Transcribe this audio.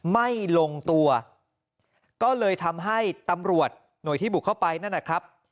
ไม่ลงตัวก็เลยทำให้ตำรวจหน่วยที่บุกเข้าไปนั่นนะครับ